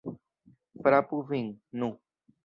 Frapu vin, nu!